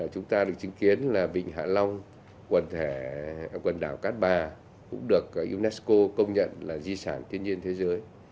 chúng ta được chứng kiến là vịnh hạ long quần thể quần đảo cát bà cũng được unesco công nhận là di sản thiên nhiên thế giới